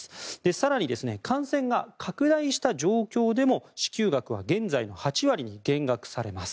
更に、感染が拡大した状況でも支給額は現在の８割に減額されます。